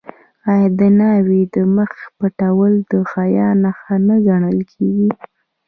آیا د ناوې د مخ پټول د حیا نښه نه ګڼل کیږي؟